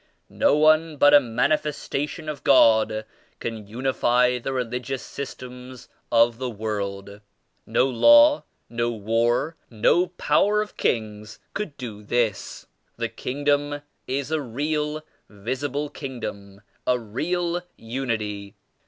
No one but a Manifestation of God can unify the religious systems of the world. No law, no war, no power of kings could do this. The Kingdom is a real visible Kingdom, a real Unity.